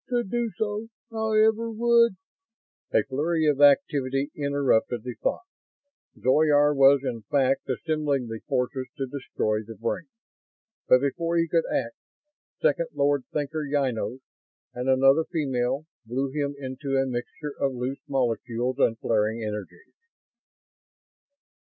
To do so, however, would ..." A flurry of activity interrupted the thought. Zoyar was in fact assembling the forces to destroy the brain. But, before he could act, Second Lord Thinker Ynos and another female blew him into a mixture of loose molecules and flaring energies.